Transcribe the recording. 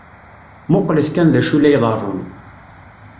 Muqlet kan d acu i la iḍeṛṛun.